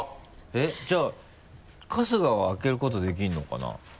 えっじゃあ春日は開けることできるのかな？